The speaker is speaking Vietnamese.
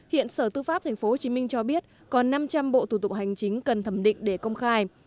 hiện sở tư pháp tp hcm cho biết còn năm trăm linh bộ thủ tục hành chính cần thẩm định để công khai